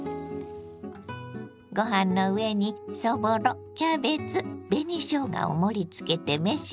ご飯の上にそぼろキャベツ紅しょうがを盛りつけて召し上がれ。